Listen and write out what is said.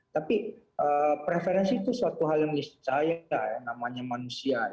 tapi preferensi itu suatu hal yang niscaya namanya manusia